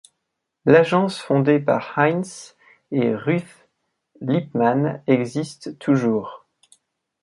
L'agence fondée par Heinz et Ruth Liepman existe toujours.